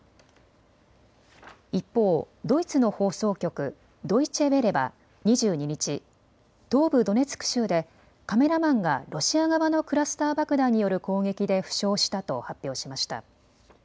一方、ドイツの放送局、ドイチェ・ヴェレは２２日、東部ドネツク州でカメラマンがロシア側のクラスター爆弾による攻撃で負傷したと発表しました。